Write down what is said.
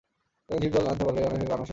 তেমনই জিভে জল আনতে পারে আনারসের কেক।